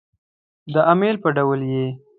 د امیل په ډول يې